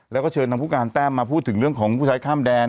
แล้วก็เชิญทางผู้การแต้มมาพูดถึงเรื่องของผู้ใช้ข้ามแดน